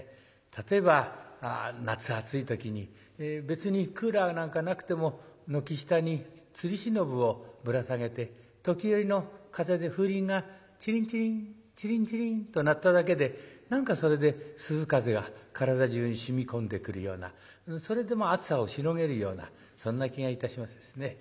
例えば夏暑い時に別にクーラーなんかなくても軒下に釣忍をぶら下げて時折の風で風鈴がチリンチリンチリンチリンと鳴っただけで何かそれで涼風が体じゅうに染み込んでくるようなそれでもう暑さをしのげるようなそんな気がいたしますですね。